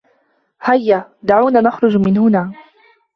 هيا. دعونا نخرج من هنا.